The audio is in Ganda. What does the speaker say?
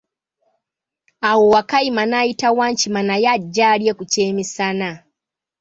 Awo Wakayima n'ayita Wankima naye ajje alye ku ky'emisana.